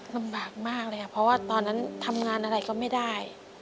ลำบากมากเลยค่ะเพราะว่าตอนนั้นทำงานอะไรก็ไม่ได้